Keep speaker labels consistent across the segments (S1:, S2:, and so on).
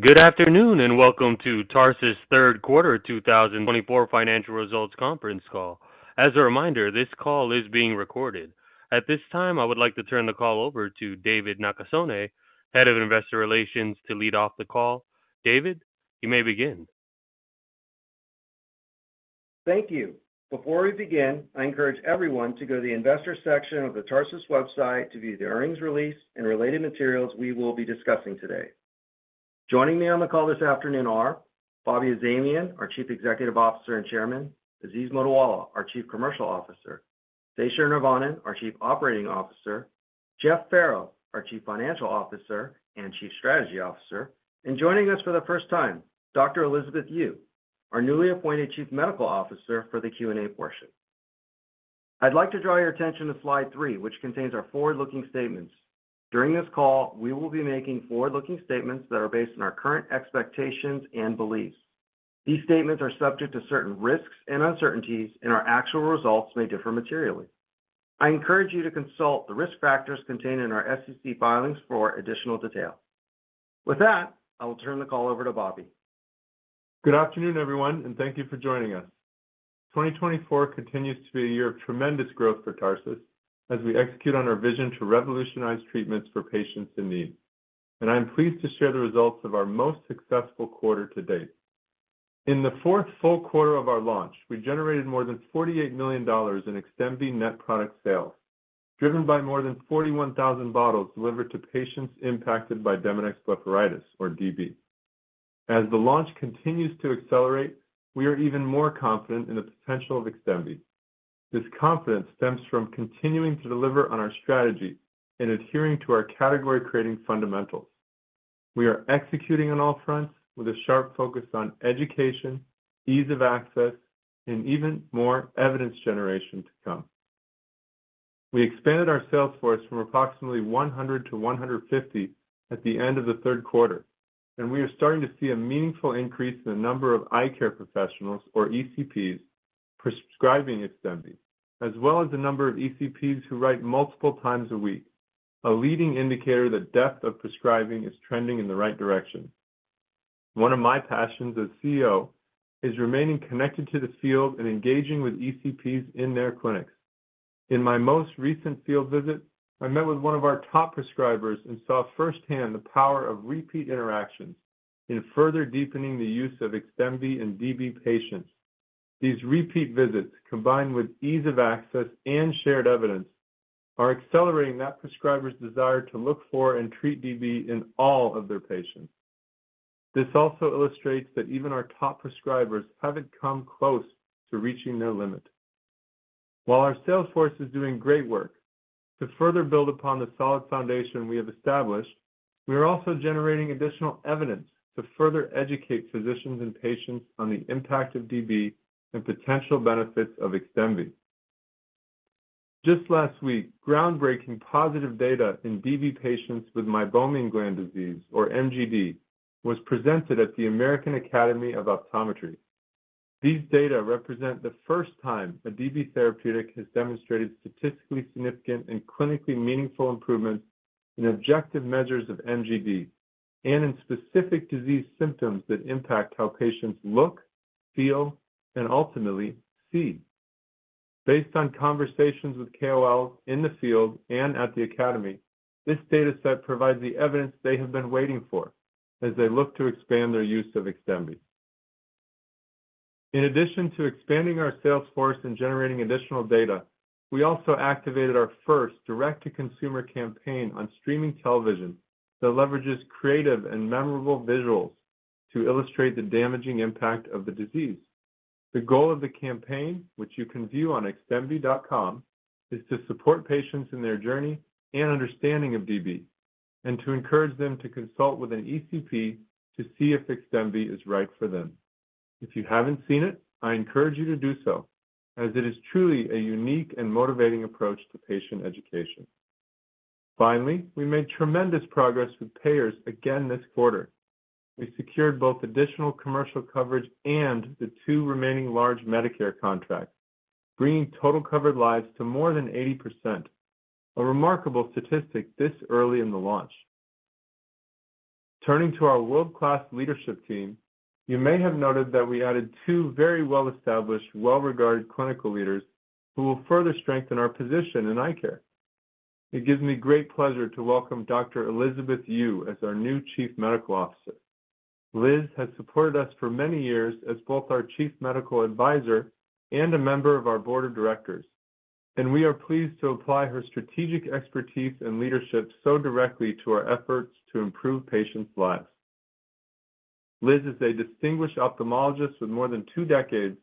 S1: Good afternoon and welcome to Tarsus' third quarter 2024 financial results conference call. As a reminder, this call is being recorded. At this time, I would like to turn the call over to David Nakasone, Head of Investor Relations, to lead off the call. David, you may begin.
S2: Thank you. Before we begin, I encourage everyone to go to the investor section of the Tarsus website to view the earnings release and related materials we will be discussing today. Joining me on the call this afternoon are Bobby Azamian, our Chief Executive Officer and Chairman; Aziz Mottiwala, our Chief Commercial Officer; Sesha Neervannan, our Chief Operating Officer; Jeff Farrow, our Chief Financial Officer and Chief Strategy Officer; and joining us for the first time, Dr. Elizabeth Yeu, our newly appointed Chief Medical Officer for the Q&A portion. I'd like to draw your attention to slide three, which contains our forward-looking statements. During this call, we will be making forward-looking statements that are based on our current expectations and beliefs. These statements are subject to certain risks and uncertainties, and our actual results may differ materially. I encourage you to consult the risk factors contained in our SEC filings for additional detail. With that, I will turn the call over to Bobby.
S3: Good afternoon, everyone, and thank you for joining us. 2024 continues to be a year of tremendous growth for Tarsus as we execute on our vision to revolutionize treatments for patients in need, and I'm pleased to share the results of our most successful quarter to date. In the fourth full quarter of our launch, we generated more than $48 million in XDEMVY net product sales, driven by more than 41,000 bottles delivered to patients impacted by Demodex blepharitis, or DB. As the launch continues to accelerate, we are even more confident in the potential of XDEMVY. This confidence stems from continuing to deliver on our strategy and adhering to our category-creating fundamentals. We are executing on all fronts with a sharp focus on education, ease of access, and even more evidence generation to come. We expanded our sales force from approximately 100 to 150 at the end of the third quarter, and we are starting to see a meaningful increase in the number of eye care professionals, or ECPs, prescribing XDEMVY, as well as the number of ECPs who write multiple times a week, a leading indicator that the depth of prescribing is trending in the right direction. One of my passions as CEO is remaining connected to the field and engaging with ECPs in their clinics. In my most recent field visit, I met with one of our top prescribers and saw firsthand the power of repeat interactions in further deepening the use of XDEMVY in DB patients. These repeat visits, combined with ease of access and shared evidence, are accelerating that prescriber's desire to look for and treat DB in all of their patients. This also illustrates that even our top prescribers haven't come close to reaching their limit. While our sales force is doing great work to further build upon the solid foundation we have established, we are also generating additional evidence to further educate physicians and patients on the impact of DB and potential benefits of XDEMVY. Just last week, groundbreaking positive data in DB patients with Meibomian gland disease, or MGD, was presented at the American Academy of Optometry. These data represent the first time a DB therapeutic has demonstrated statistically significant and clinically meaningful improvements in objective measures of MGD and in specific disease symptoms that impact how patients look, feel, and ultimately see. Based on conversations with KOLs in the field and at the Academy, this data set provides the evidence they have been waiting for as they look to expand their use of XDEMVY. In addition to expanding our sales force and generating additional data, we also activated our first direct-to-consumer campaign on streaming television that leverages creative and memorable visuals to illustrate the damaging impact of the disease. The goal of the campaign, which you can view on xdemvy.com, is to support patients in their journey and understanding of DB, and to encourage them to consult with an ECP to see if XDEMVY is right for them. If you haven't seen it, I encourage you to do so, as it is truly a unique and motivating approach to patient education. Finally, we made tremendous progress with payers again this quarter. We secured both additional commercial coverage and the two remaining large Medicare contracts, bringing total covered lives to more than 80%, a remarkable statistic this early in the launch. Turning to our world-class leadership team, you may have noted that we added two very well-established, well-regarded clinical leaders who will further strengthen our position in eye care. It gives me great pleasure to welcome Dr. Elizabeth Yeu, as our new Chief Medical Officer. Liz has supported us for many years as both our Chief Medical Advisor and a member of our Board of Directors, and we are pleased to apply her strategic expertise and leadership so directly to our efforts to improve patients' lives. Liz is a distinguished ophthalmologist with more than two decades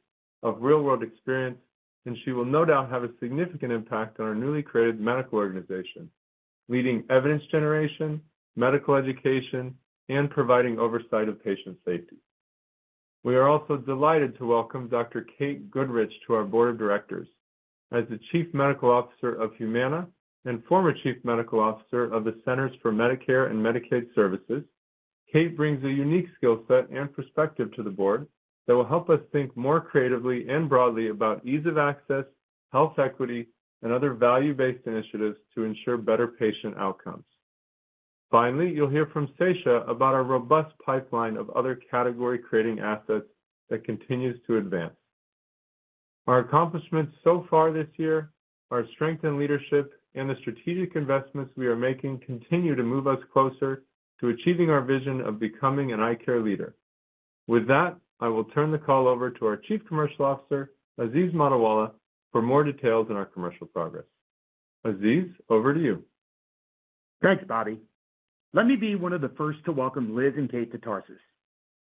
S3: of real-world experience, and she will no doubt have a significant impact on our newly created medical organization, leading evidence generation, medical education, and providing oversight of patient safety. We are also delighted to welcome Dr. Kate Goodrich to our Board of Directors. As the Chief Medical Officer of Humana and former Chief Medical Officer of the Centers for Medicare and Medicaid Services, Kate brings a unique skill set and perspective to the board that will help us think more creatively and broadly about ease of access, health equity, and other value-based initiatives to ensure better patient outcomes. Finally, you'll hear from Sesha about our robust pipeline of other category-creating assets that continues to advance. Our accomplishments so far this year, our strength in leadership, and the strategic investments we are making continue to move us closer to achieving our vision of becoming an eye care leader. With that, I will turn the call over to our Chief Commercial Officer, Aziz Mottiwala, for more details on our commercial progress. Aziz, over to you.
S4: Thanks, Bobby. Let me be one of the first to welcome Liz and Kate to Tarsus.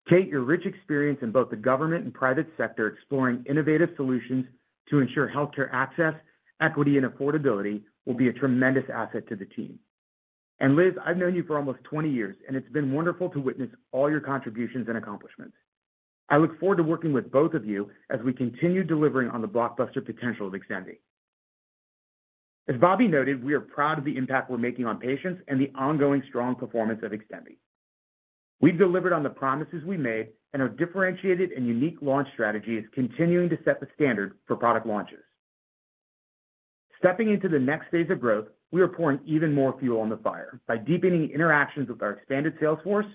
S4: Kate, your rich experience in both the government and private sector exploring innovative solutions to ensure healthcare access, equity, and affordability will be a tremendous asset to the team, and Liz, I've known you for almost 20 years, and it's been wonderful to witness all your contributions and accomplishments. I look forward to working with both of you as we continue delivering on the blockbuster potential of XDEMVY. As Bobby noted, we are proud of the impact we're making on patients and the ongoing strong performance of XDEMVY. We've delivered on the promises we made and our differentiated and unique launch strategy is continuing to set the standard for product launches. Stepping into the next phase of growth, we are pouring even more fuel on the fire by deepening interactions with our expanded sales force,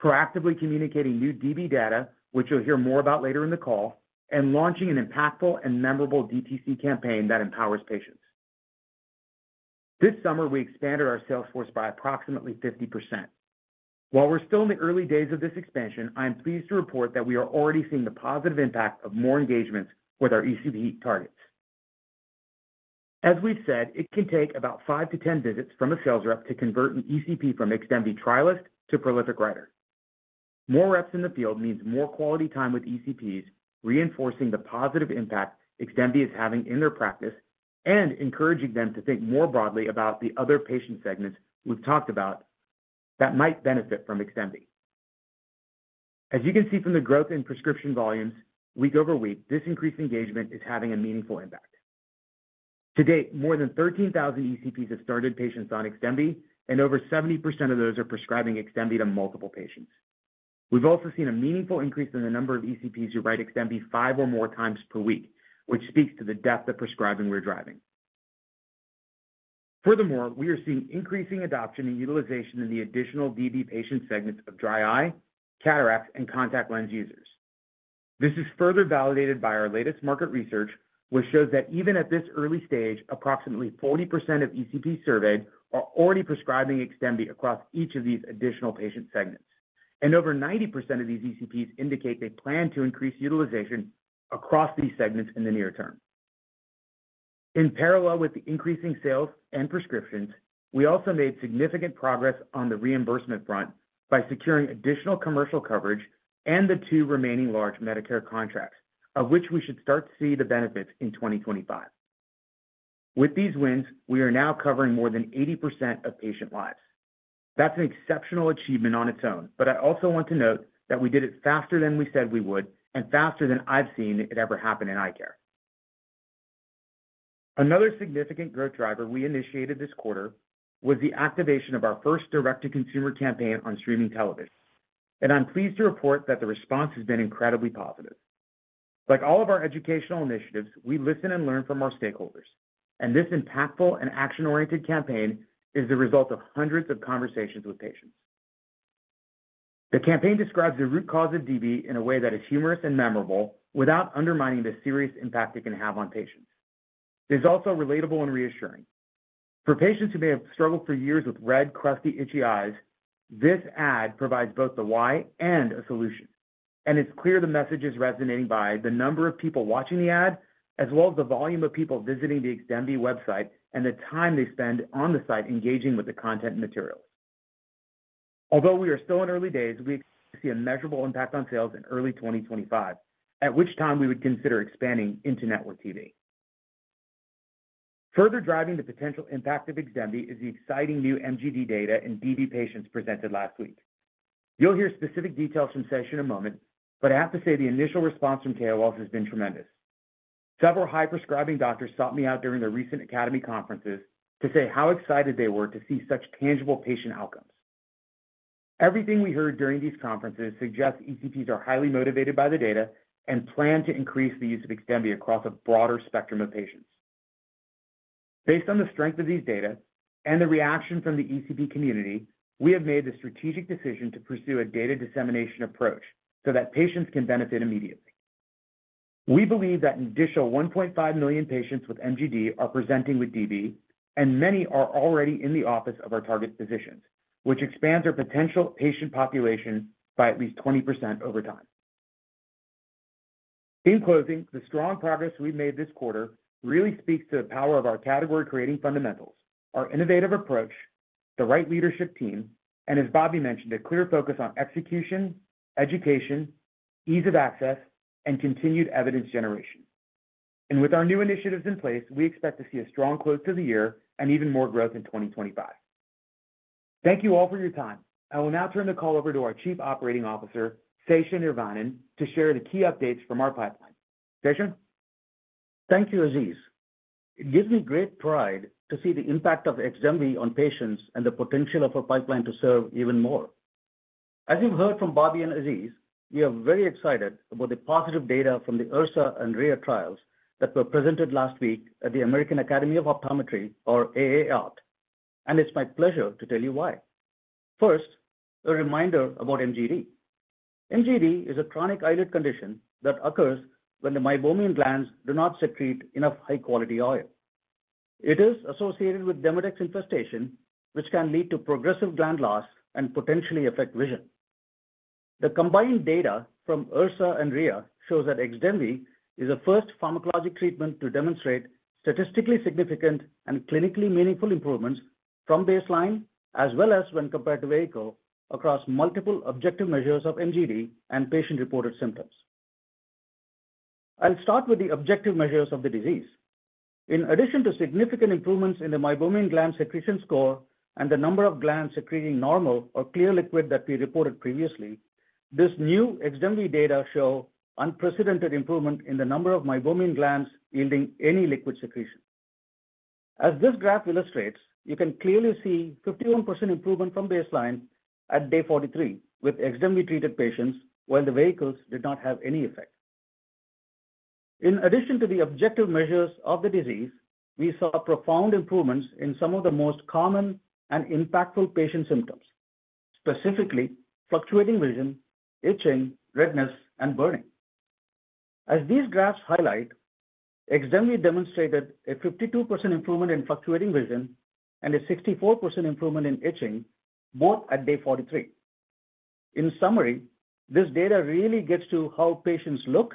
S4: proactively communicating new DB data, which you'll hear more about later in the call, and launching an impactful and memorable DTC campaign that empowers patients. This summer, we expanded our sales force by approximately 50%. While we're still in the early days of this expansion, I am pleased to report that we are already seeing the positive impact of more engagements with our ECP targets. As we've said, it can take about five to 10 visits from a sales rep to convert an ECP from XDEMVY trialist to prolific writer. More reps in the field means more quality time with ECPs, reinforcing the positive impact XDEMVY is having in their practice and encouraging them to think more broadly about the other patient segments we've talked about that might benefit from XDEMVY. As you can see from the growth in prescription volumes, week over week, this increased engagement is having a meaningful impact. To date, more than 13,000 ECPs have started patients on XDEMVY, and over 70% of those are prescribing XDEMVY to multiple patients. We've also seen a meaningful increase in the number of ECPs who write XDEMVY five or more times per week, which speaks to the depth of prescribing we're driving. Furthermore, we are seeing increasing adoption and utilization in the additional DB patient segments of dry eye, cataracts, and contact lens users. This is further validated by our latest market research, which shows that even at this early stage, approximately 40% of ECPs surveyed are already prescribing XDEMVY across each of these additional patient segments, and over 90% of these ECPs indicate they plan to increase utilization across these segments in the near term. In parallel with the increasing sales and prescriptions, we also made significant progress on the reimbursement front by securing additional commercial coverage and the two remaining large Medicare contracts, of which we should start to see the benefits in 2025. With these wins, we are now covering more than 80% of patient lives. That's an exceptional achievement on its own, but I also want to note that we did it faster than we said we would and faster than I've seen it ever happen in eye care. Another significant growth driver we initiated this quarter was the activation of our first direct-to-consumer campaign on streaming television, and I'm pleased to report that the response has been incredibly positive. Like all of our educational initiatives, we listen and learn from our stakeholders, and this impactful and action-oriented campaign is the result of hundreds of conversations with patients. The campaign describes the root cause of DB in a way that is humorous and memorable without undermining the serious impact it can have on patients. It is also relatable and reassuring. For patients who may have struggled for years with red, crusty, itchy eyes, this ad provides both the why and a solution, and it's clear the message is resonating by the number of people watching the ad, as well as the volume of people visiting the XDEMVY website and the time they spend on the site engaging with the content and materials. Although we are still in early days, we expect to see a measurable impact on sales in early 2025, at which time we would consider expanding into network TV. Further driving the potential impact of XDEMVY is the exciting new MGD data in DB patients presented last week. You'll hear specific details from Sesha in a moment, but I have to say the initial response from KOLs has been tremendous. Several high-prescribing doctors sought me out during their recent Academy conferences to say how excited they were to see such tangible patient outcomes. Everything we heard during these conferences suggests ECPs are highly motivated by the data and plan to increase the use of XDEMVY across a broader spectrum of patients. Based on the strength of these data and the reaction from the ECP community, we have made the strategic decision to pursue a data dissemination approach so that patients can benefit immediately. We believe that an additional 1.5 million patients with MGD are presenting with DB, and many are already in the office of our target physicians, which expands our potential patient population by at least 20% over time. In closing, the strong progress we've made this quarter really speaks to the power of our category-creating fundamentals, our innovative approach, the right leadership team, and, as Bobby mentioned, a clear focus on execution, education, ease of access, and continued evidence generation. And with our new initiatives in place, we expect to see a strong close to the year and even more growth in 2025. Thank you all for your time. I will now turn the call over to our Chief Operating Officer, Sesha Neervannan, to share the key updates from our pipeline. Sesha?
S5: Thank you, Aziz. It gives me great pride to see the impact of XDEMVY on patients and the potential of our pipeline to serve even more. As you've heard from Bobby and Aziz, we are very excited about the positive data from the ERSA and RHEA trials that were presented last week at the American Academy of Optometry, or AAO, and it's my pleasure to tell you why. First, a reminder about MGD. MGD is a chronic eyelid condition that occurs when the Meibomian glands do not secrete enough high-quality oil. It is associated with Demodex infestation, which can lead to progressive gland loss and potentially affect vision. The combined data from ERSA and RHEA shows that XDEMVY is the first pharmacologic treatment to demonstrate statistically significant and clinically meaningful improvements from baseline, as well as when compared to vehicle, across multiple objective measures of MGD and patient-reported symptoms. I'll start with the objective measures of the disease. In addition to significant improvements in the Meibomian gland secretion score and the number of glands secreting normal or clear liquid that we reported previously, this new XDEMVY data shows unprecedented improvement in the number of Meibomian glands yielding any liquid secretion. As this graph illustrates, you can clearly see a 51% improvement from baseline at day 43 with XDEMVY-treated patients, while the vehicles did not have any effect. In addition to the objective measures of the disease, we saw profound improvements in some of the most common and impactful patient symptoms, specifically fluctuating vision, itching, redness, and burning. As these graphs highlight, XDEMVY demonstrated a 52% improvement in fluctuating vision and a 64% improvement in itching, both at day 43. In summary, this data really gets to how patients look,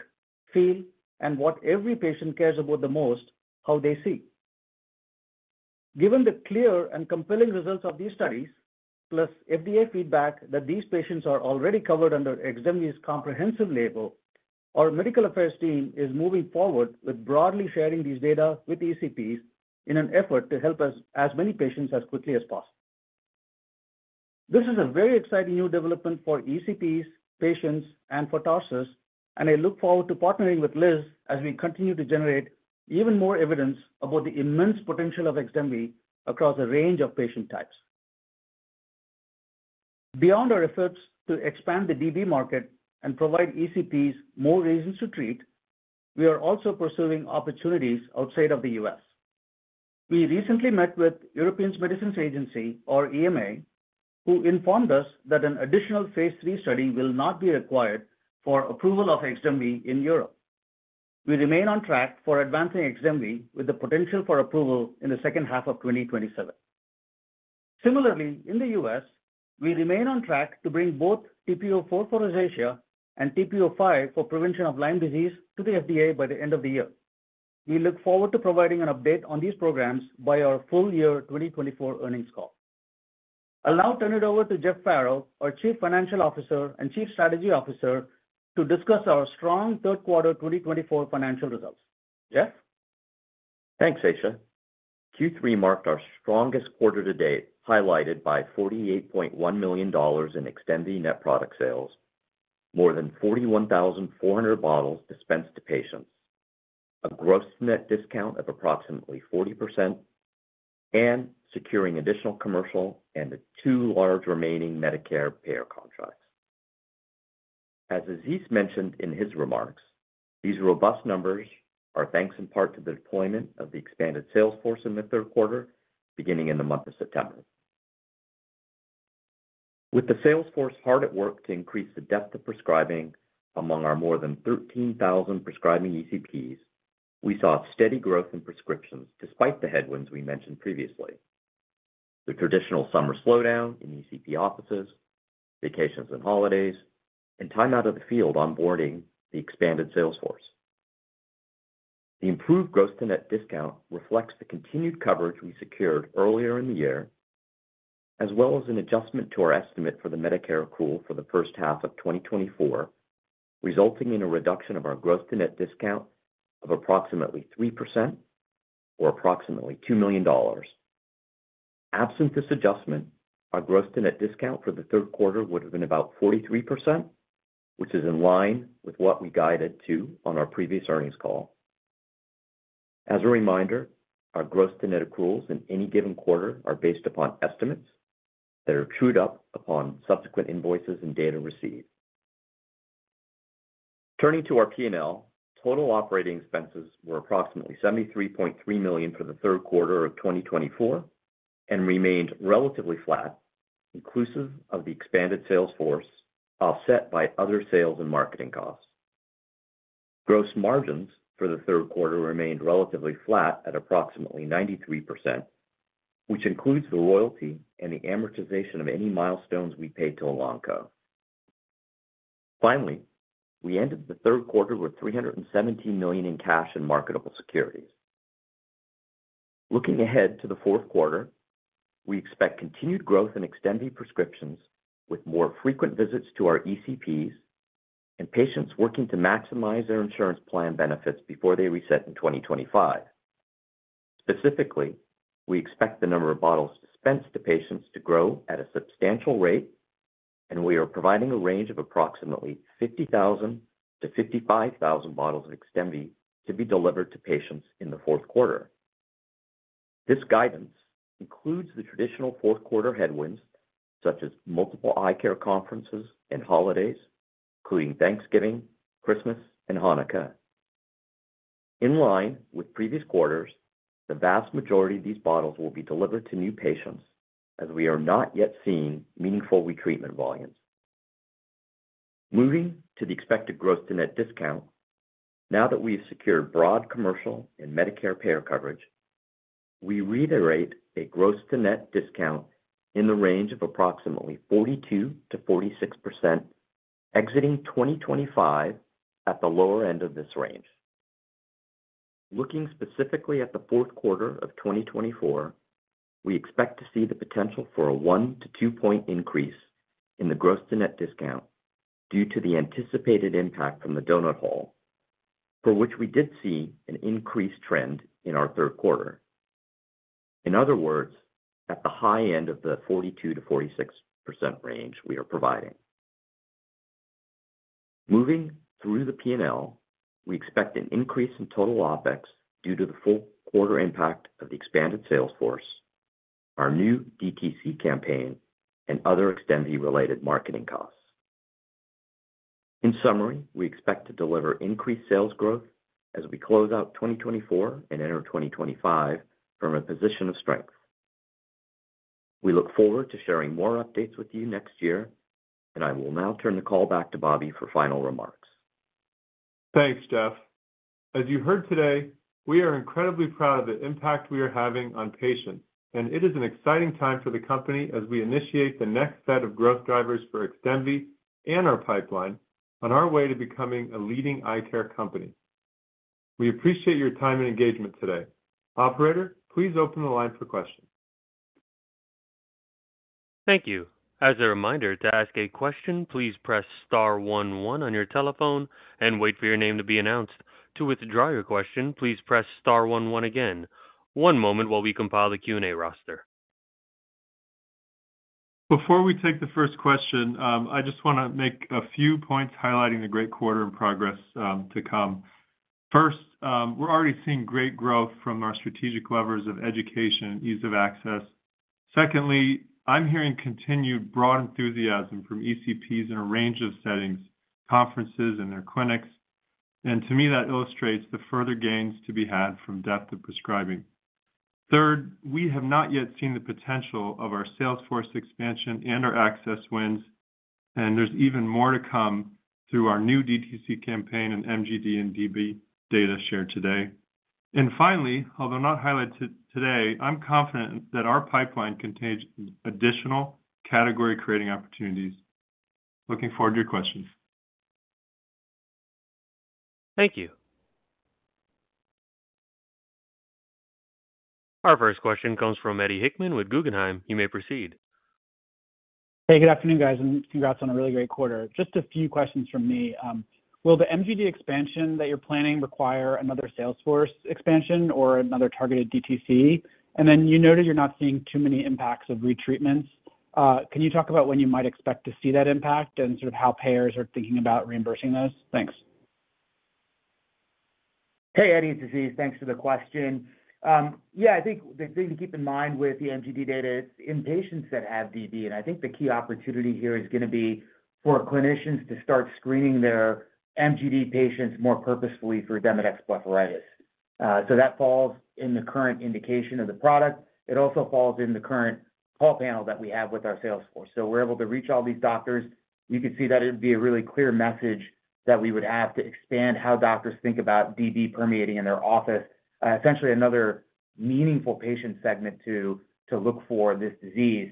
S5: feel, and what every patient cares about the most: how they see. Given the clear and compelling results of these studies, plus FDA feedback that these patients are already covered under XDEMVY's comprehensive label, our medical affairs team is moving forward with broadly sharing these data with ECPs in an effort to help as many patients as quickly as possible. This is a very exciting new development for ECPs, patients, and for Tarsus, and I look forward to partnering with Liz as we continue to generate even more evidence about the immense potential of XDEMVY across a range of patient types. Beyond our efforts to expand the DB market and provide ECPs more reasons to treat, we are also pursuing opportunities outside of the U.S. We recently met with the European Medicines Agency, or EMA, who informed us that an additional phase III study will not be required for approval of XDEMVY in Europe. We remain on track for advancing XDEMVY with the potential for approval in the second half of 2027. Similarly, in the US, we remain on track to bring both TP-04 for rosacea and TP-05 for prevention of Lyme disease to the FDA by the end of the year. We look forward to providing an update on these programs by our full year 2024 earnings call. I'll now turn it over to Jeff Farrow, our Chief Financial Officer and Chief Strategy Officer, to discuss our strong third quarter 2024 financial results. Jeff?
S6: Thanks, Sesha. Q3 marked our strongest quarter to date, highlighted by $48.1 million in XDEMVY net product sales, more than 41,400 bottles dispensed to patients, a gross-to-net discount of approximately 40%, and securing additional commercial and two large remaining Medicare payer contracts. As Aziz mentioned in his remarks, these robust numbers are thanks in part to the deployment of the expanded sales force in the third quarter, beginning in the month of September. With the sales force hard at work to increase the depth of prescribing among our more than 13,000 prescribing ECPs, we saw steady growth in prescriptions despite the headwinds we mentioned previously: the traditional summer slowdown in ECP offices, vacations and holidays, and time out of the field onboarding the expanded sales force. The improved gross-to-net discount reflects the continued coverage we secured earlier in the year, as well as an adjustment to our estimate for the Medicare accrual for the first half of 2024, resulting in a reduction of our gross-to-net discount of approximately 3%, or approximately $2 million. Absent this adjustment, our gross-to-net discount for the third quarter would have been about 43%, which is in line with what we guided to on our previous earnings call. As a reminder, our gross-to-net accruals in any given quarter are based upon estimates that are trued up upon subsequent invoices and data received. Turning to our P&L, total operating expenses were approximately $73.3 million for the third quarter of 2024 and remained relatively flat, inclusive of the expanded sales force offset by other sales and marketing costs. Gross margins for the third quarter remained relatively flat at approximately 93%, which includes the royalty and the amortization of any milestones we paid to Elanco. Finally, we ended the third quarter with $317 million in cash and marketable securities. Looking ahead to the fourth quarter, we expect continued growth in XDEMVY prescriptions with more frequent visits to our ECPs and patients working to maximize their insurance plan benefits before they reset in 2025. Specifically, we expect the number of bottles dispensed to patients to grow at a substantial rate, and we are providing a range of approximately 50,000-55,000 bottles of XDEMVY to be delivered to patients in the fourth quarter. This guidance includes the traditional fourth quarter headwinds, such as multiple eye care conferences and holidays, including Thanksgiving, Christmas, and Hanukkah. In line with previous quarters, the vast majority of these bottles will be delivered to new patients, as we are not yet seeing meaningful retreatment volumes. Moving to the expected gross-to-net discount, now that we have secured broad commercial and Medicare payer coverage, we reiterate a gross-to-net discount in the range of approximately 42%-46%, exiting 2025 at the lower end of this range. Looking specifically at the fourth quarter of 2024, we expect to see the potential for a one- to two-point increase in the gross-to-net discount due to the anticipated impact from the donut hole, for which we did see an increased trend in our third quarter. In other words, at the high end of the 42%-46% range we are providing. Moving through the P&L, we expect an increase in total OpEx due to the full quarter impact of the expanded sales force, our new DTC campaign, and other XDEMVY-related marketing costs. In summary, we expect to deliver increased sales growth as we close out 2024 and enter 2025 from a position of strength. We look forward to sharing more updates with you next year, and I will now turn the call back to Bobby for final remarks.
S3: Thanks, Jeff. As you heard today, we are incredibly proud of the impact we are having on patients, and it is an exciting time for the company as we initiate the next set of growth drivers for XDEMVY and our pipeline on our way to becoming a leading eye care company. We appreciate your time and engagement today. Operator, please open the line for questions.
S1: Thank you. As a reminder, to ask a question, please press *11 on your telephone and wait for your name to be announced. To withdraw your question, please press *11 again. One moment while we compile the Q&A roster.
S3: Before we take the first question, I just want to make a few points highlighting the great quarter and progress to come. First, we're already seeing great growth from our strategic levers of education and ease of access. Secondly, I'm hearing continued broad enthusiasm from ECPs in a range of settings, conferences, and their clinics. And to me, that illustrates the further gains to be had from depth of prescribing. Third, we have not yet seen the potential of our sales force expansion and our access wins, and there's even more to come through our new DTC campaign and MGD and DB data shared today. And finally, although not highlighted today, I'm confident that our pipeline contains additional category-creating opportunities. Looking forward to your questions.
S1: Thank you. Our first question comes from Eddie Hickman with Guggenheim. You may proceed.
S7: Hey, good afternoon, guys, and congrats on a really great quarter. Just a few questions from me. Will the MGD expansion that you're planning require another sales force expansion or another targeted DTC? And then you noted you're not seeing too many impacts of retreatments. Can you talk about when you might expect to see that impact and sort of how payers are thinking about reimbursing those? Thanks.
S4: Hey, Eddie, it's Aziz. Thanks for the question. Yeah, I think the thing to keep in mind with the MGD data is in patients that have DB, and I think the key opportunity here is going to be for clinicians to start screening their MGD patients more purposefully for Demodex blepharitis. So that falls in the current indication of the product. It also falls in the current call panel that we have with our sales force. So we're able to reach all these doctors. You can see that it would be a really clear message that we would have to expand how doctors think about DB prevalence in their office. Essentially, another meaningful patient segment to look for this disease.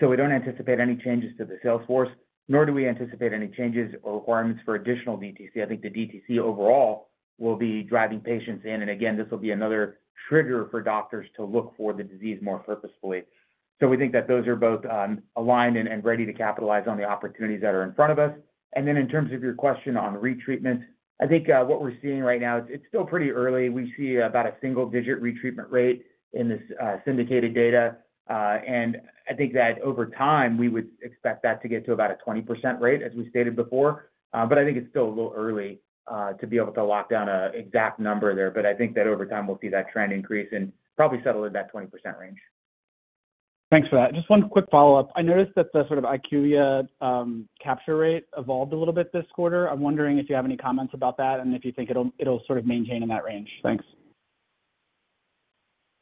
S4: So we don't anticipate any changes to the sales force, nor do we anticipate any changes or requirements for additional DTC. I think the DTC overall will be driving patients in, and again, this will be another trigger for doctors to look for the disease more purposefully, so we think that those are both aligned and ready to capitalize on the opportunities that are in front of us, and then in terms of your question on retreatments, I think what we're seeing right now. It's still pretty early. We see about a single-digit retreatment rate in this syndicated data, and I think that over time we would expect that to get to about a 20% rate, as we stated before, but I think it's still a little early to be able to lock down an exact number there, but I think that over time we'll see that trend increase and probably settle in that 20% range.
S7: Thanks for that. Just one quick follow-up. I noticed that the sort of IQVIA capture rate evolved a little bit this quarter. I'm wondering if you have any comments about that and if you think it'll sort of maintain in that range. Thanks.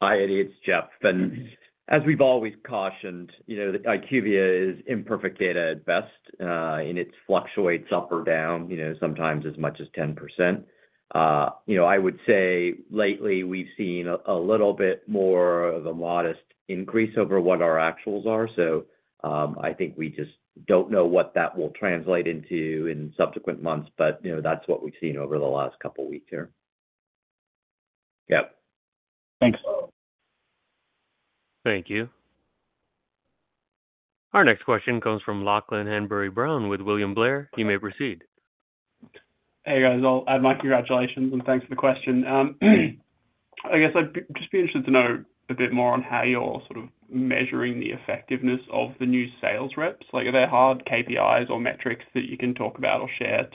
S6: Hi, Eddie. It's Jeff. And as we've always cautioned, IQVIA is imperfect data at best, and it fluctuates up or down sometimes as much as 10%. I would say lately we've seen a little bit more of a modest increase over what our actuals are. So I think we just don't know what that will translate into in subsequent months, but that's what we've seen over the last couple of weeks here. Yeah.
S7: Thanks.
S1: Thank you. Our next question comes from Lachlan Hanbury-Brown with William Blair. You may proceed.
S8: Hey, guys. I'd like to congratulate and thanks for the question. I guess I'd just be interested to know a bit more on how you're sort of measuring the effectiveness of the new sales reps. Are there hard KPIs or metrics that you can talk about or share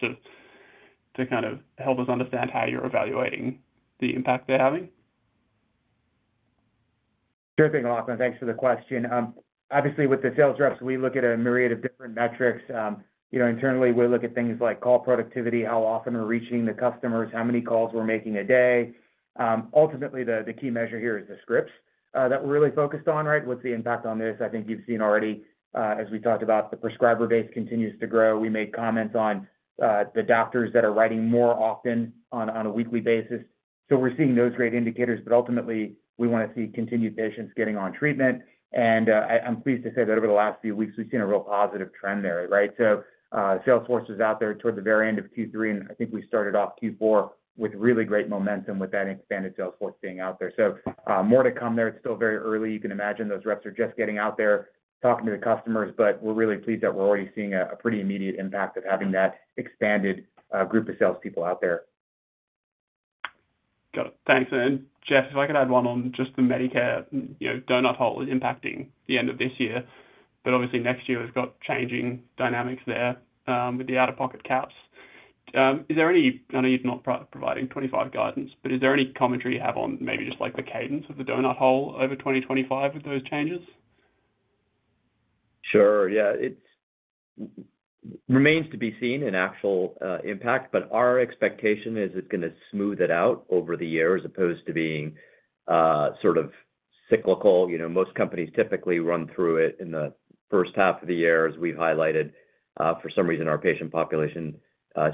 S8: to kind of help us understand how you're evaluating the impact they're having?
S4: Sure thing, Lachlan. Thanks for the question. Obviously, with the sales reps, we look at a myriad of different metrics. Internally, we look at things like call productivity, how often we're reaching the customers, how many calls we're making a day. Ultimately, the key measure here is the scripts that we're really focused on, right? What's the impact on this? I think you've seen already, as we talked about, the prescriber base continues to grow. We made comments on the doctors that are writing more often on a weekly basis. We're seeing those great indicators, but ultimately, we want to see continued patients getting on treatment. I'm pleased to say that over the last few weeks, we've seen a real positive trend there, right? So sales force is out there toward the very end of Q3, and I think we started off Q4 with really great momentum with that expanded sales force being out there. So more to come there. It's still very early. You can imagine those reps are just getting out there talking to the customers, but we're really pleased that we're already seeing a pretty immediate impact of having that expanded group of salespeople out there.
S7: Got it. Thanks. And Jeff, if I could add one on just the Medicare donut hole impacting the end of this year, but obviously next year has got changing dynamics there with the out-of-pocket caps. Is there any? I know you've not provided 2025 guidance, but is there any commentary you have on maybe just the cadence of the donut hole over 2025 with those changes?
S6: Sure. Yeah. It remains to be seen in actual impact, but our expectation is it's going to smooth it out over the year as opposed to being sort of cyclical. Most companies typically run through it in the first half of the year, as we've highlighted. For some reason, our patient population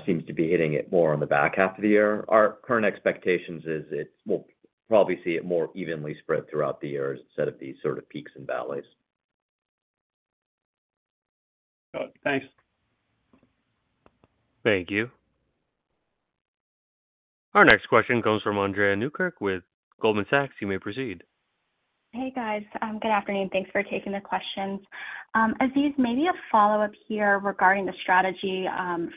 S6: seems to be hitting it more on the back half of the year. Our current expectation is we'll probably see it more evenly spread throughout the year instead of these sort of peaks and valleys.
S7: Got it. Thanks.
S1: Thank you. Our next question comes from Andrea Newkirk with Goldman Sachs. You may proceed.
S9: Hey, guys. Good afternoon. Thanks for taking the questions. Aziz, maybe a follow-up here regarding the strategy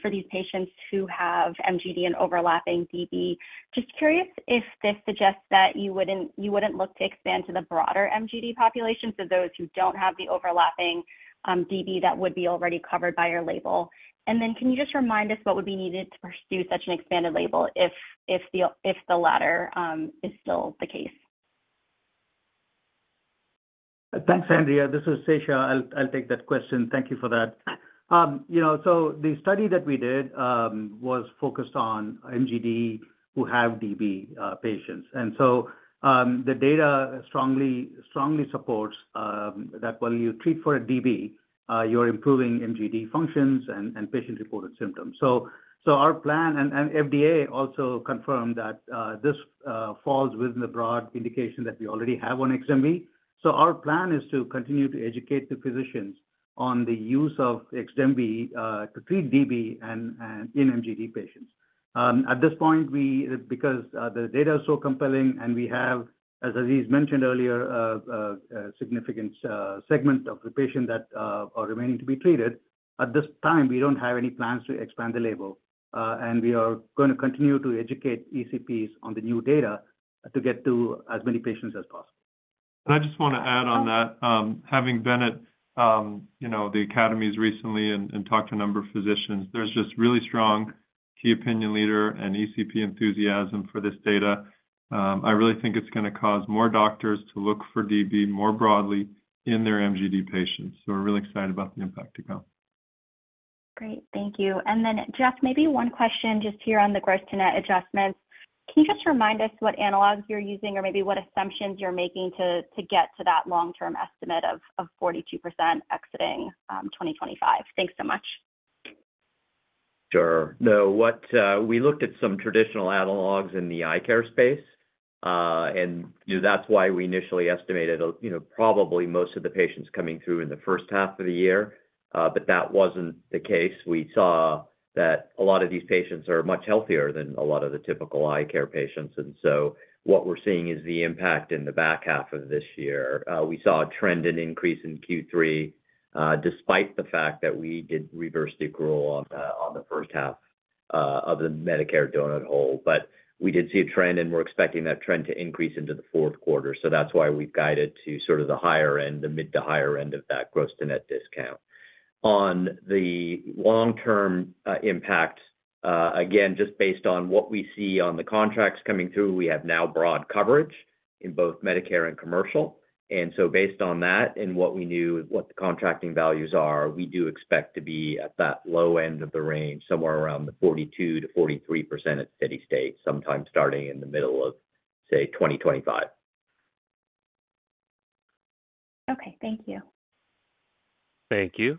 S9: for these patients who have MGD and overlapping DB. Just curious if this suggests that you wouldn't look to expand to the broader MGD population for those who don't have the overlapping DB that would be already covered by your label? And then can you just remind us what would be needed to pursue such an expanded label if the latter is still the case?
S5: Thanks, Andrea. This is Sesha. I'll take that question. Thank you for that. So the study that we did was focused on MGD who have DB patients. And so the data strongly supports that when you treat for a DB, you're improving MGD functions and patient-reported symptoms. So our plan, and FDA also confirmed that this falls within the broad indication that we already have on XDEMVY. So our plan is to continue to educate the physicians on the use of XDEMVY to treat DB and in MGD patients. At this point, because the data is so compelling and we have, as Aziz mentioned earlier, a significant segment of the patient that are remaining to be treated, at this time, we don't have any plans to expand the label. And we are going to continue to educate ECPs on the new data to get to as many patients as possible.
S3: And I just want to add on that. Having been at the academies recently and talked to a number of physicians, there's just really strong key opinion leader and ECP enthusiasm for this data. I really think it's going to cause more doctors to look for DB more broadly in their MGD patients. So we're really excited about the impact to come.
S9: Great. Thank you, and then, Jeff, maybe one question just here on the gross-to-net adjustments. Can you just remind us what analogs you're using or maybe what assumptions you're making to get to that long-term estimate of 42% exiting 2025? Thanks so much.
S6: Sure. No, we looked at some traditional analogs in the eye care space, and that's why we initially estimated probably most of the patients coming through in the first half of the year, but that wasn't the case. We saw that a lot of these patients are much healthier than a lot of the typical eye care patients, and so what we're seeing is the impact in the back half of this year. We saw a trend and increase in Q3 despite the fact that we did reverse the accrual on the first half of the Medicare donut hole, but we did see a trend, and we're expecting that trend to increase into the fourth quarter. So that's why we've guided to sort of the higher end, the mid to higher end of that gross-to-net discount. On the long-term impact, again, just based on what we see on the contracts coming through, we have now broad coverage in both Medicare and commercial. And so based on that and what we knew the contracting values are, we do expect to be at that low end of the range, somewhere around the 42%-43% at gross-to-net, sometime starting in the middle of, say, 2025.
S9: Okay. Thank you.
S1: Thank you.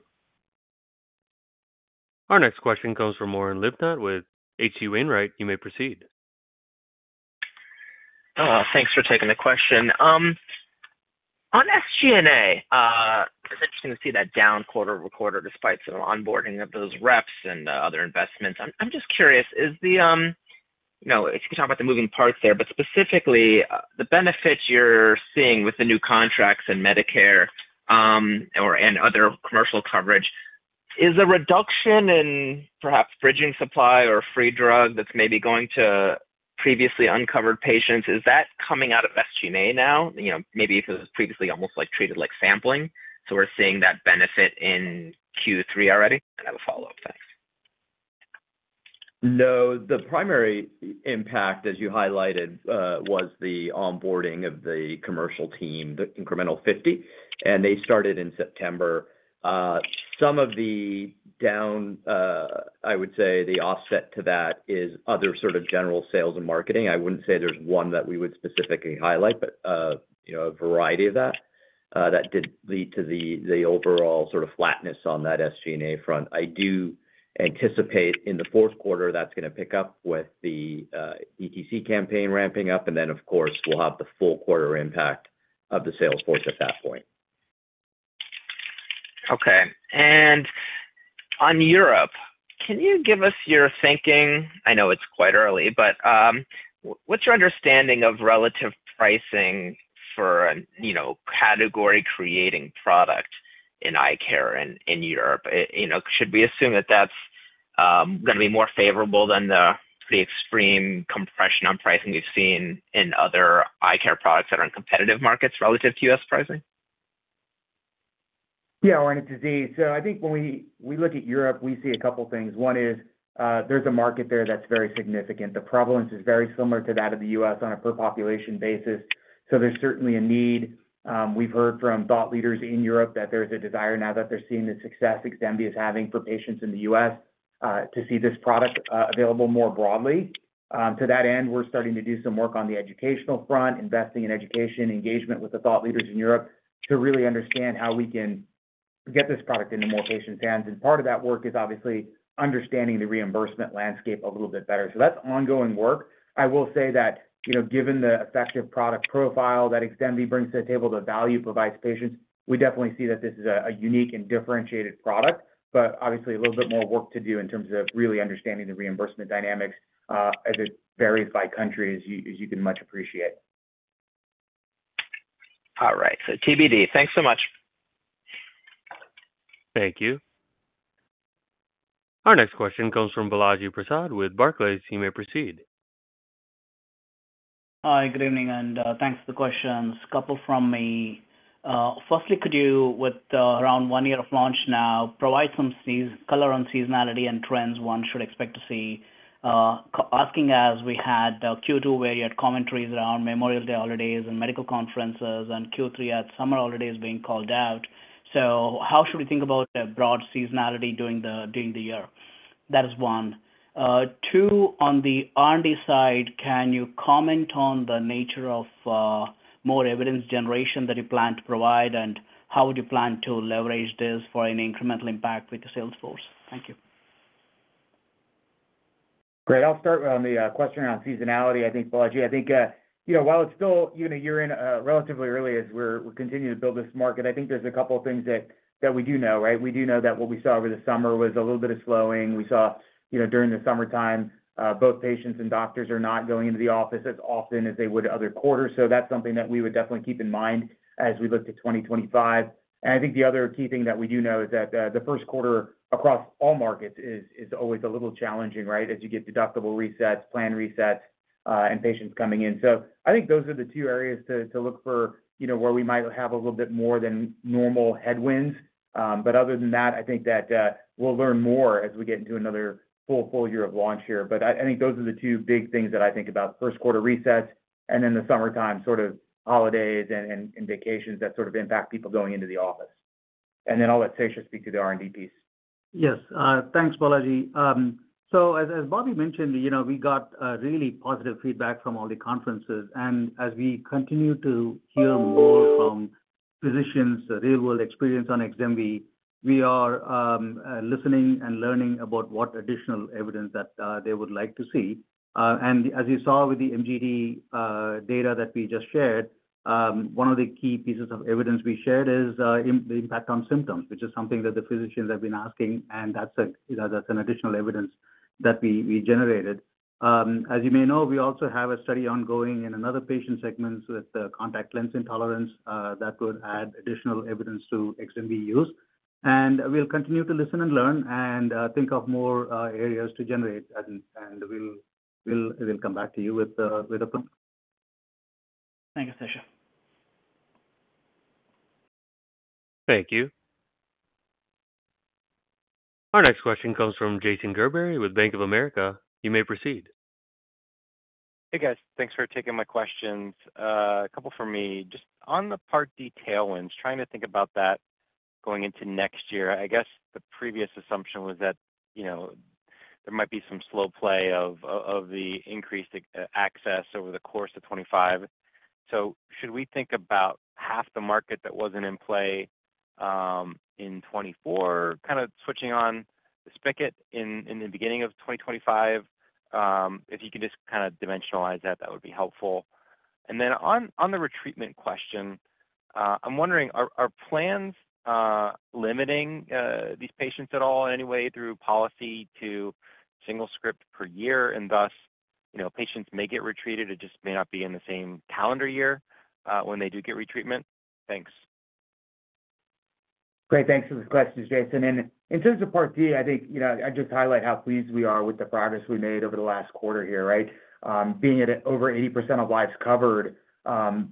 S1: Our next question comes from Oren Livnat with H.C. Wainwright & Co. You may proceed.
S10: Thanks for taking the question. On SG&A, it's interesting to see that down quarter over quarter despite some onboarding of those reps and other investments. I'm just curious, if you can talk about the moving parts there, but specifically, the benefits you're seeing with the new contracts and Medicare and other commercial coverage, is a reduction in perhaps bridging supply or free drug that's maybe going to previously uncovered patients, is that coming out of SG&A now? Maybe if it was previously almost treated like sampling, so we're seeing that benefit in Q3 already? I have a follow-up. Thanks.
S6: No, the primary impact, as you highlighted, was the onboarding of the commercial team, the incremental 50, and they started in September. Some of the downside, I would say the offset to that is other sort of general sales and marketing. I wouldn't say there's one that we would specifically highlight, but a variety of that did lead to the overall sort of flatness on that SG&A front. I do anticipate in the fourth quarter that's going to pick up with the DTC campaign ramping up, and then, of course, we'll have the full quarter impact of the sales force at that point.
S10: Okay, and on Europe, can you give us your thinking? I know it's quite early, but what's your understanding of relative pricing for category-creating product in eye care in Europe? Should we assume that that's going to be more favorable than the pretty extreme compression on pricing we've seen in other eye care products that are in competitive markets relative to U.S. pricing?
S4: Yeah, Oren, it's Aziz, so I think when we look at Europe, we see a couple of things. One is there's a market there that's very significant. The prevalence is very similar to that of the U.S. on a per-population basis, so there's certainly a need. We've heard from thought leaders in Europe that there's a desire now that they're seeing the success XDEMVY is having for patients in the U.S. to see this product available more broadly. To that end, we're starting to do some work on the educational front, investing in education, engagement with the thought leaders in Europe to really understand how we can get this product into more patients' hands. And part of that work is obviously understanding the reimbursement landscape a little bit better, so that's ongoing work. I will say that given the effective product profile that XDEMVY brings to the table, the value it provides patients, we definitely see that this is a unique and differentiated product, but obviously a little bit more work to do in terms of really understanding the reimbursement dynamics as it varies by country, as you can much appreciate.
S10: All right, so TBD, thanks so much.
S1: Thank you. Our next question comes from Balaji Prasad with Barclays. You may proceed.
S11: Hi, good evening, and thanks for the questions. A couple from me. Firstly, could you, with around one year of launch now, provide some color on seasonality and trends one should expect to see? Asking as we had Q2 where you had commentaries around Memorial Day holidays and medical conferences and Q3 had summer holidays being called out. So how should we think about broad seasonality during the year? That is one. Two, on the R&D side, can you comment on the nature of more evidence generation that you plan to provide, and how would you plan to leverage this for an incremental impact with the sales force? Thank you.
S4: Great. I'll start on the question around seasonality, I think, Balaji. I think while it's still a year in, relatively early as we're continuing to build this market, I think there's a couple of things that we do know, right? We do know that what we saw over the summer was a little bit of slowing. We saw during the summertime, both patients and doctors are not going into the office as often as they would other quarters. So that's something that we would definitely keep in mind as we look to 2025. And I think the other key thing that we do know is that the first quarter across all markets is always a little challenging, right, as you get deductible resets, plan resets, and patients coming in. So I think those are the two areas to look for where we might have a little bit more than normal headwinds. But other than that, I think that we'll learn more as we get into another full year of launch here. But I think those are the two big things that I think about: first quarter resets and then the summertime sort of holidays and vacations that sort of impact people going into the office. And then I'll let Sesha speak to the R&D piece.
S5: Yes. Thanks, Balaji. So as Bobby mentioned, we got really positive feedback from all the conferences. And as we continue to hear more from physicians, real-world experience onXDEMVY, we are listening and learning about what additional evidence that they would like to see. And as you saw with the MGD data that we just shared, one of the key pieces of evidence we shared is the impact on symptoms, which is something that the physicians have been asking, and that's an additional evidence that we generated. As you may know, we also have a study ongoing in another patient segment with contact lens intolerance that would add additional evidence toXDEMVY use. And we'll continue to listen and learn and think of more areas to generate, and we'll come back to you with a plan.
S11: Thank you, Sesha.
S1: Thank you. Our next question comes from Jason Gerberry with Bank of America. You may proceed.
S12: Hey, guys. Thanks for taking my questions. A couple for me. Just on the Part D tailwinds, trying to think about that going into next year. I guess the previous assumption was that there might be some slow play of the increased access over the course of 2025. So should we think about half the market that wasn't in play in 2024, kind of switching on the spigot in the beginning of 2025? If you could just kind of dimensionalize that, that would be helpful. And then on the retreatment question, I'm wondering, are plans limiting these patients at all in any way through policy to single script per year? And thus, patients may get retreated. It just may not be in the same calendar year when they do get retreatment. Thanks.
S4: Great. Thanks for the question, Jason. And in terms of Part D, I think I'd just highlight how pleased we are with the progress we made over the last quarter here, right? Being at over 80% of lives covered a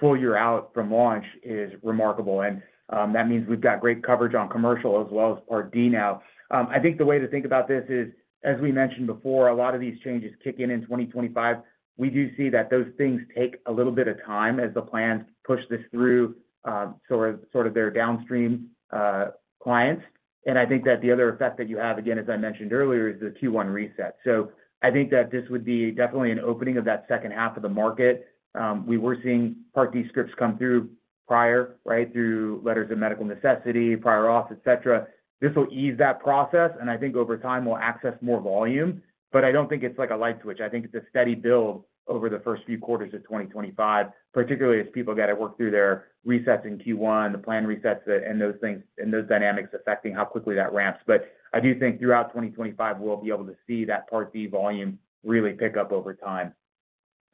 S4: full year out from launch is remarkable. And that means we've got great coverage on commercial as well as Part D now. I think the way to think about this is, as we mentioned before, a lot of these changes kick in in 2025. We do see that those things take a little bit of time as the plans push this through sort of their downstream clients. And I think that the other effect that you have, again, as I mentioned earlier, is the Q1 reset. So I think that this would be definitely an opening of that second half of the market. We were seeing Part D scripts come through prior, right, through letters of medical necessity, prior auth, etc. This will ease that process, and I think over time we'll access more volume. But I don't think it's like a light switch. I think it's a steady build over the first few quarters of 2025, particularly as people got to work through their resets in Q1, the plan resets, and those things and those dynamics affecting how quickly that ramps. But I do think throughout 2025, we'll be able to see that Part D volume really pick up over time.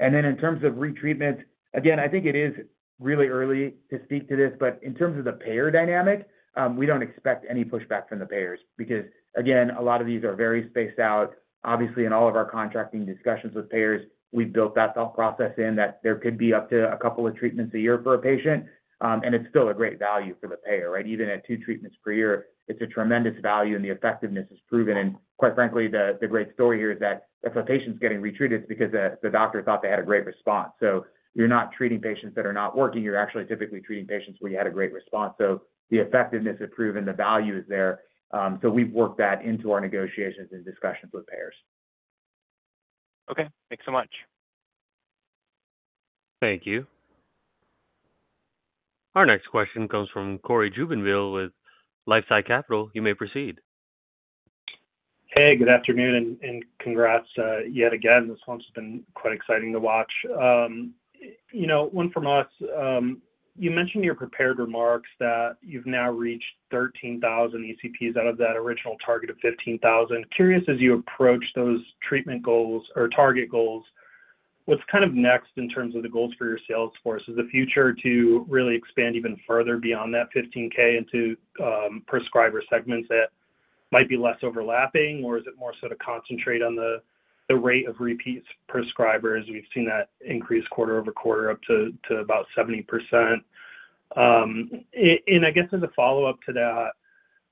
S4: And then in terms of retreatment, again, I think it is really early to speak to this, but in terms of the payer dynamic, we don't expect any pushback from the payers because, again, a lot of these are very spaced out. Obviously, in all of our contracting discussions with payers, we've built that thought process in that there could be up to a couple of treatments a year for a patient, and it's still a great value for the payer, right? Even at two treatments per year, it's a tremendous value, and the effectiveness is proven, and quite frankly, the great story here is that if a patient's getting retreated, it's because the doctor thought they had a great response. So you're not treating patients that are not working. You're actually typically treating patients where you had a great response, so the effectiveness is proven. The value is there, so we've worked that into our negotiations and discussions with payers.
S12: Okay. Thanks so much.
S1: Thank you. Our next question comes from Cory Jubinville with LifeSci Capital. You may proceed.
S13: Hey, good afternoon, and congrats yet again. This one's been quite exciting to watch. One from us. You mentioned in your prepared remarks that you've now reached 13,000 ECPs out of that original target of 15,000. Curious, as you approach those treatment goals or target goals, what's kind of next in terms of the goals for your sales force? Is the future to really expand even further beyond that 15K into prescriber segments that might be less overlapping, or is it more so to concentrate on the rate of repeat prescribers? We've seen that increase quarter over quarter up to about 70%. I guess as a follow-up to that,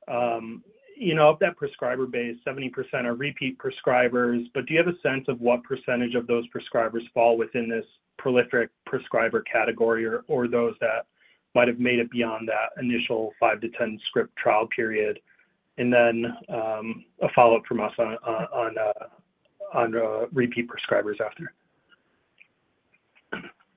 S13: of that prescriber base, 70% are repeat prescribers, but do you have a sense of what percentage of those prescribers fall within this prolific prescriber category or those that might have made it beyond that initial 5-10-script trial period? Then a follow-up from us on repeat prescribers after.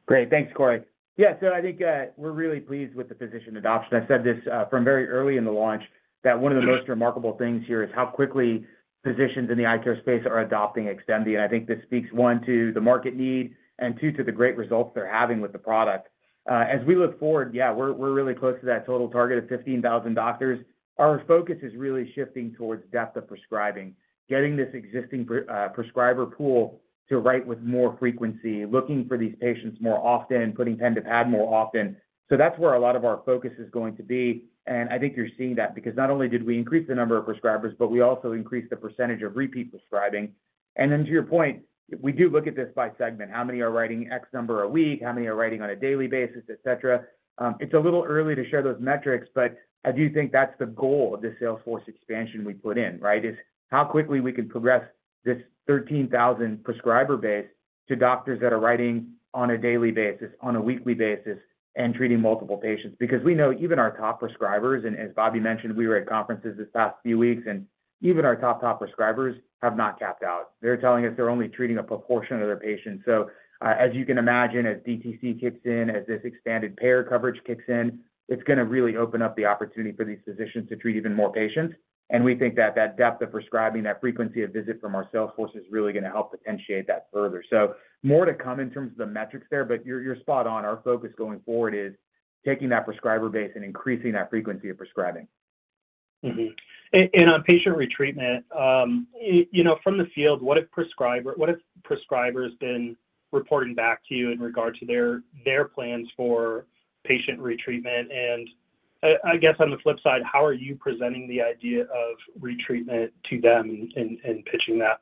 S4: Great. Thanks, Cory. Yeah, so I think we're really pleased with the physician adoption. I said this from very early in the launch that one of the most remarkable things here is how quickly physicians in the eye care space are adopting XDEMVY. And I think this speaks, one, to the market need and, two, to the great results they're having with the product. As we look forward, yeah, we're really close to that total target of 15,000 doctors. Our focus is really shifting towards depth of prescribing, getting this existing prescriber pool to write with more frequency, looking for these patients more often, putting pen to pad more often. So that's where a lot of our focus is going to be. And I think you're seeing that because not only did we increase the number of prescribers, but we also increased the percentage of repeat prescribing. And then to your point, we do look at this by segment. How many are writing X number a week? How many are writing on a daily basis, etc.? It's a little early to share those metrics, but I do think that's the goal of this sales force expansion we put in, right, is how quickly we can progress this 13,000 prescriber base to doctors that are writing on a daily basis, on a weekly basis, and treating multiple patients. Because we know even our top prescribers, and as Bobby mentioned, we were at conferences this past few weeks, and even our top, top prescribers have not capped out. They're telling us they're only treating a proportion of their patients. So as you can imagine, as DTC kicks in, as this expanded payer coverage kicks in, it's going to really open up the opportunity for these physicians to treat even more patients. And we think that that depth of prescribing, that frequency of visit from our sales force is really going to help potentiate that further. So more to come in terms of the metrics there, but you're spot on. Our focus going forward is taking that prescriber base and increasing that frequency of prescribing.
S13: On patient retreatment, from the field, what have prescribers been reporting back to you in regard to their plans for patient retreatment? I guess on the flip side, how are you presenting the idea of retreatment to them and pitching that?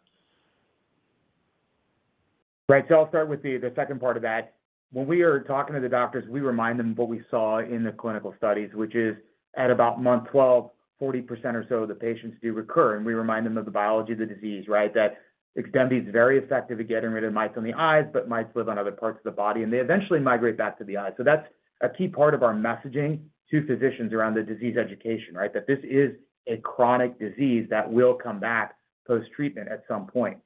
S4: Right. So I'll start with the second part of that. When we are talking to the doctors, we remind them of what we saw in the clinical studies, which is at about month 12, 40% or so of the patients do recur. And we remind them of the biology of the disease, right, that XDEMVY is very effective at getting rid of mites on the eyes, but mites live on other parts of the body, and they eventually migrate back to the eyes. So that's a key part of our messaging to physicians around the disease education, right, that this is a chronic disease that will come back post-treatment at some point.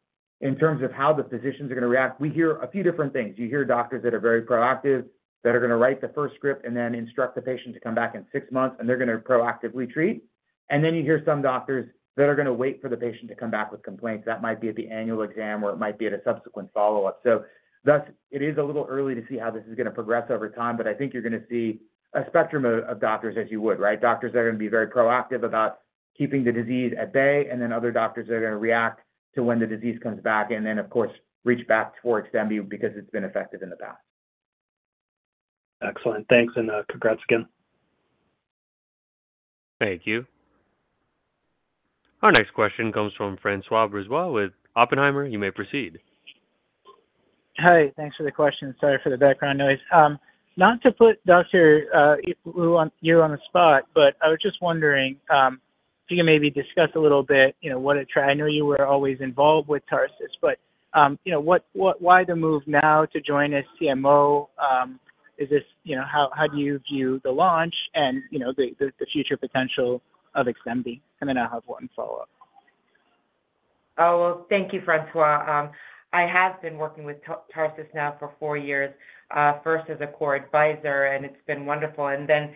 S4: In terms of how the physicians are going to react, we hear a few different things. You hear doctors that are very proactive, that are going to write the first script and then instruct the patient to come back in six months, and they're going to proactively treat, and then you hear some doctors that are going to wait for the patient to come back with complaints. That might be at the annual exam or it might be at a subsequent follow-up. So thus it is a little early to see how this is going to progress over time, but I think you're going to see a spectrum of doctors as you would, right? Doctors that are going to be very proactive about keeping the disease at bay, and then other doctors that are going to react to when the disease comes back and then, of course, reach back for XDEMVY because it's been effective in the past.
S13: Excellent. Thanks, and congrats again.
S1: Thank you. Our next question comes from François Brisebois with Oppenheimer. You may proceed.
S14: Hi. Thanks for the question. Sorry for the background noise. Not to put Dr. Yeu on the spot, but I was just wondering if you can maybe discuss a little bit what it—I know you were always involved with Tarsus, but why the move now to join as CMO? How do you view the launch and the future potential of XDEMVY? And then I'll have one follow-up.
S15: Oh, well, thank you, François. I have been working with Tarsus now for four years, first as a core advisor, and it's been wonderful, and then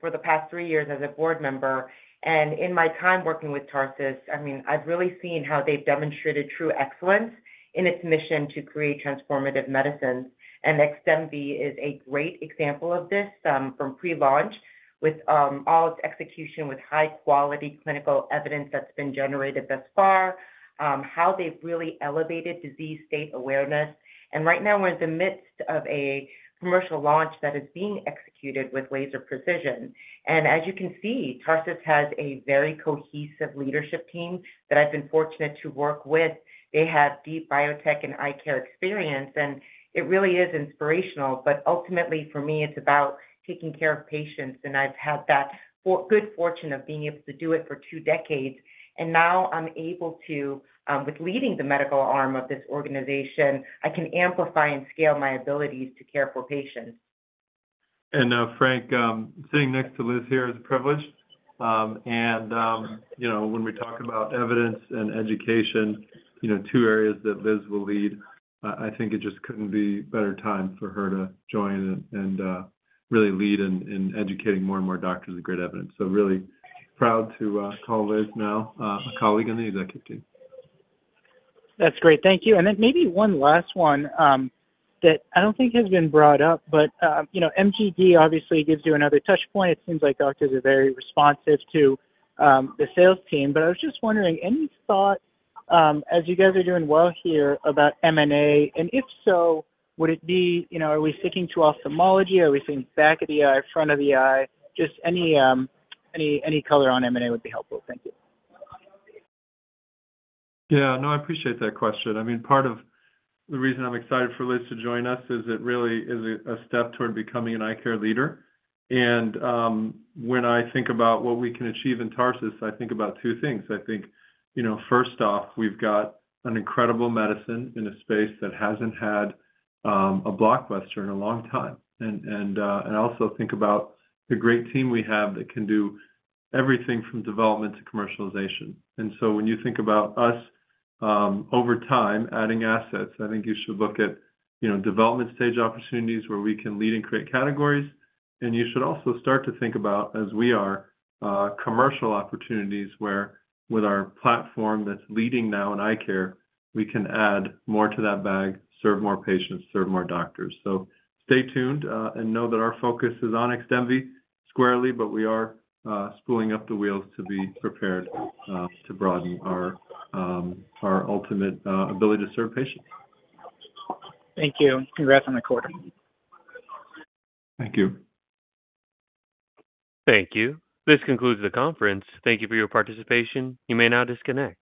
S15: for the past three years as a board member, and in my time working with Tarsus, I mean, I've really seen how they've demonstrated true excellence in its mission to create transformative medicines. And XDEMVY is a great example of this from pre-launch with all its execution with high-quality clinical evidence that's been generated thus far, how they've really elevated disease state awareness, and right now, we're in the midst of a commercial launch that is being executed with laser precision. And as you can see, Tarsus has a very cohesive leadership team that I've been fortunate to work with. They have deep biotech and eye care experience, and it really is inspirational. But ultimately, for me, it's about taking care of patients. And I've had that good fortune of being able to do it for two decades. And now I'm able to, with leading the medical arm of this organization, I can amplify and scale my abilities to care for patients.
S3: Frank, sitting next to Liz here is a privilege. When we talk about evidence and education, two areas that Liz will lead, I think it just couldn't be a better time for her to join and really lead in educating more and more doctors with great evidence. We are really proud to call Liz now a colleague on the executive team.
S14: That's great. Thank you. And then maybe one last one that I don't think has been brought up, but MGD obviously gives you another touchpoint. It seems like doctors are very responsive to the sales team. But I was just wondering, any thoughts as you guys are doing well here about M&A? And if so, would it be, are we sticking to ophthalmology? Are we seeing back of the eye, front of the eye? Just any color on M&A would be helpful. Thank you.
S3: Yeah. No, I appreciate that question. I mean, part of the reason I'm excited for Liz to join us is it really is a step toward becoming an eye care leader. And when I think about what we can achieve in Tarsus, I think about two things. I think, first off, we've got an incredible medicine in a space that hasn't had a blockbuster in a long time. And I also think about the great team we have that can do everything from development to commercialization. And so when you think about us over time adding assets, I think you should look at development stage opportunities where we can lead and create categories. And you should also start to think about, as we are, commercial opportunities where, with our platform that's leading now in eye care, we can add more to that bag, serve more patients, serve more doctors. So stay tuned and know that our focus is on XDEMVY squarely, but we are spooling up the wheels to be prepared to broaden our ultimate ability to serve patients.
S14: Thank you. Congrats on the quarter.
S3: Thank you.
S1: Thank you. This concludes the conference. Thank you for your participation. You may now disconnect.